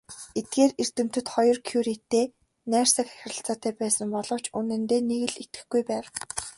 Эдгээр эрдэмтэд хоёр Кюретэй найрсаг харилцаатай байсан боловч үнэндээ нэг л итгэхгүй байв.